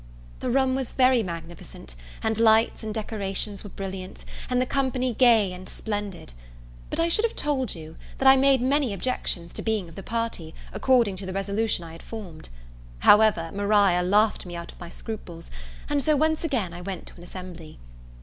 The room was very magnificent, the lights and decorations were brilliant, and the company gay and splendid. But I should have told you, that I made many objections to being of the party, according to the resolution I had formed. However, Maria laughed me out of my scruples, and so once again I went to an assembly.